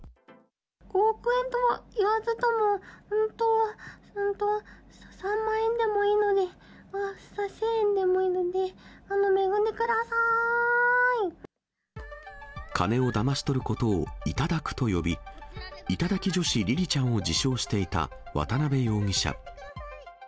５億円とは言わずとも、本当は、本当は３万円でもいいので、ああ、せ、１０００円でもい金をだまし取ることを頂くと呼び、頂き女子りりちゃんを自称していた渡辺容疑者。